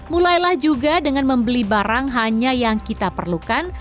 mulailah juga dengan membeli barang hanya yang kita perlukan